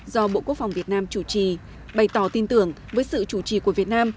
do bộ quốc phòng việt nam chủ trì bày tỏ tin tưởng với sự chủ trì của việt nam